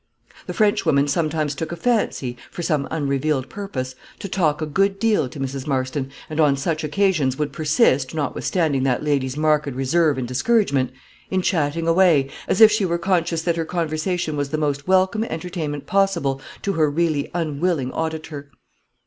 The Frenchwoman sometimes took a fancy, for some unrevealed purpose, to talk a good deal to Mrs. Marston, and on such occasions would persist, notwithstanding that lady's marked reserve and discouragement, in chatting away, as if she were conscious that her conversation was the most welcome entertainment possible to her really unwilling auditor.